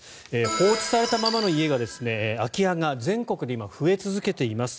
放置されたままの空き家が今、全国で増え続けています。